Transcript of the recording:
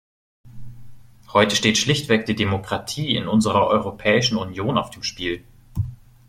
Heute steht schlichtweg die Demokratie in unserer Europäischen Union auf dem Spiel.